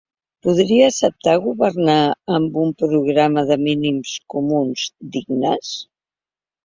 Podria acceptar governar amb un programa de mínims comuns dignes?